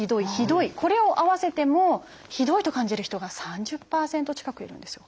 これを合わせても「ひどい」と感じる人が３０％近くいるんですよ。